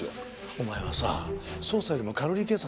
お前はさ捜査よりもカロリー計算が大切か？